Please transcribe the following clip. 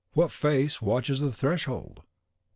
what face watches at the threshold?)